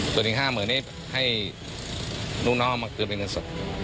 ส่วนอีก๕เหมือนให้นุ่นอ้อมมาคือเป็นเงินสด